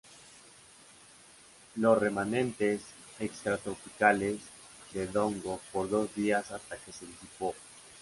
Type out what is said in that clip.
Los remanentes extratropicales de Dongo por dos días hasta que se disipó.